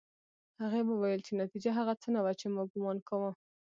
هغې وویل چې نتيجه هغه څه نه وه چې ما ګومان کاوه